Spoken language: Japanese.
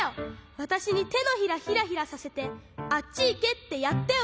わたしにてのひらヒラヒラさせてあっちいけってやったよ